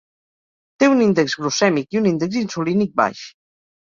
Té un índex glucèmic i un índex insulínic baix.